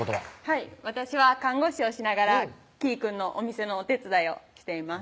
はい私は看護師をしながらきーくんのお店のお手伝いをしています